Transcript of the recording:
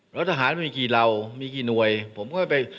แล้วทหารมันมีกี่เหล่ามีกี่หน่วยผมก็ค่อยไป